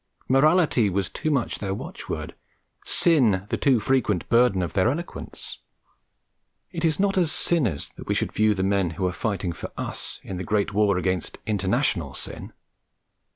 Morality was too much their watchword, Sin the too frequent burden of their eloquence. It is not as sinners that we should view the men who are fighting for us in the great war against international sin.